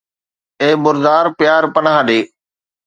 اي مردار پيار، پناهه ڏي